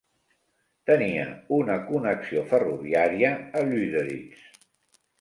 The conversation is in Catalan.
Tenia una connexió ferroviària a Lüderitz.